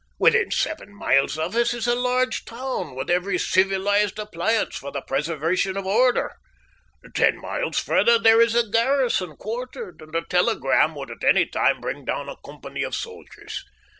Within seven miles of us is a large town, with every civilised appliance for the preservation of order. Ten miles farther there is a garrison quartered, and a telegram would at any time bring down a company of soldiers.